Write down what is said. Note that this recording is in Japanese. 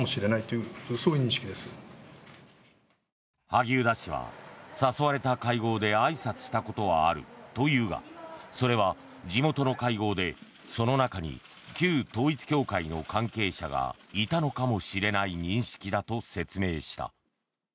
萩生田氏は誘われた会合であいさつしたことはあるというがそれは地元の会合でその中に旧統一教会の関係者がいたのかもしれない認識だと説明した。